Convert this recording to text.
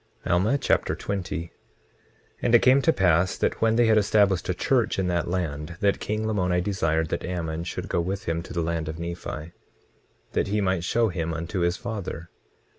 Alma Chapter 20 20:1 And it came to pass that when they had established a church in that land, that king Lamoni desired that Ammon should go with him to the land of Nephi, that he might show him unto his father.